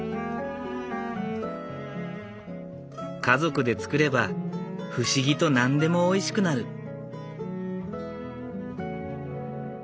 家族で作れば不思議と何でもおいしくなる。